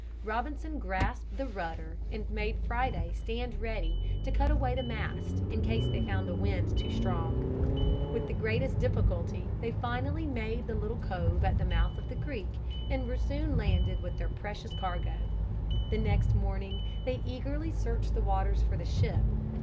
Robinson grasped the rudder and made Friday stand ready to cut away the mast in case they found the wind too strong. With the greatest difficulty they finally made the little cove at the mouth of the creek and were soon landed with their precious cargo. The next morning they eagerly searched the waters for the ship.